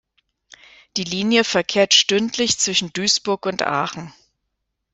Die Linie verkehrt stündlich zwischen Duisburg und Aachen.